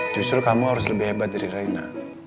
justru kamu harus lebih hebat dari reina